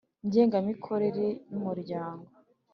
Ngengamikorere y umuryango